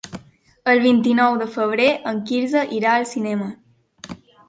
El vint-i-nou de febrer en Quirze irà al cinema.